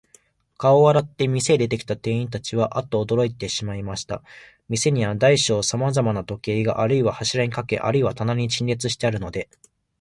顔を洗って、店へ出てきた店員たちは、アッとおどろいてしまいました。店には大小さまざまの時計が、あるいは柱にかけ、あるいは棚に陳列してあるのですが、